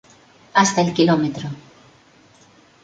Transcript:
Hasta el km.